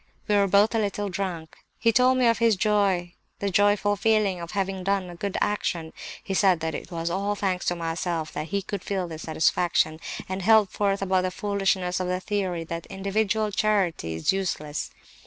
We were both a little drunk. He told me of his joy, the joyful feeling of having done a good action; he said that it was all thanks to myself that he could feel this satisfaction; and held forth about the foolishness of the theory that individual charity is useless.